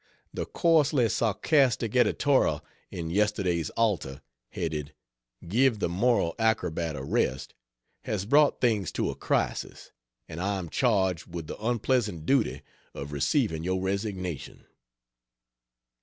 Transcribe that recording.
The coarsely sarcastic editorial in yesterday's Alta, headed Give the Moral Acrobat a Rest has brought things to a crisis, and I am charged with the unpleasant duty of receiving your resignation."